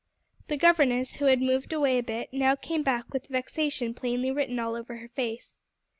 The governess, who had moved away a bit, now came back with vexation plainly written all over her face.